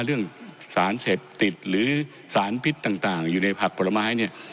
เรื่องสารเสพติดหรือสารพิษต่างอยู่ในผักผลไม้เนี่ย